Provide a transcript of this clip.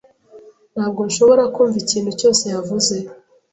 Ntabwo nshobora kumva ikintu cyose yavuze.